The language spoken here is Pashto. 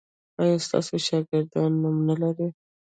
ایا ستاسو شاګردان نوم نلري؟